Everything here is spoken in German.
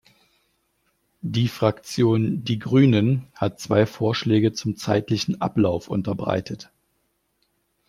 Die Fraktion Die Grünen hat zwei Vorschläge zum zeitlichen Ablauf unterbreitet.